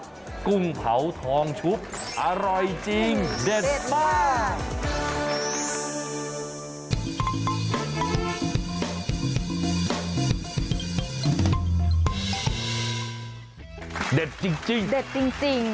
เด็ดจริงเด็ดจริง